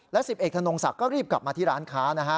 แล้วสิบเอกธนงศักดิ์ก็รีบกลับมาที่ร้านค้า